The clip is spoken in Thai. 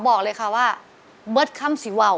บอกเลยค่ะว่าเบิร์ดค่ำสีวาว